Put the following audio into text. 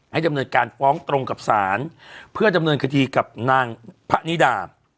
ดำเนินการฟ้องตรงกับศาลเพื่อดำเนินคดีกับนางพระนิดา